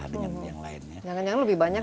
dengan yang lainnya jangan jangan lebih banyak